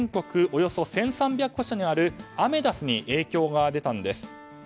およそ１３００か所にあるアメダスに影響が出たんです。